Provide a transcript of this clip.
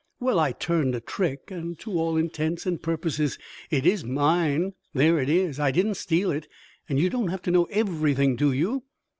"Well, I turned a trick, and to all intents and purposes it is mine. There it is. I didn't steal it, and you don't have to know everything, do you?